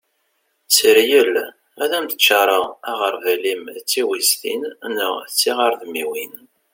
tteryel ad am-d-ččareγ aγerbal-im d tiwiztin neγ tiγredmiwin